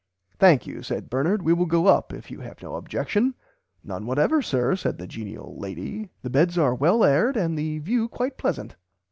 "Thank you said Bernard we will go up if you have no objection. None whatever sir said the genial lady the beds are well aired and the view quite pleasant.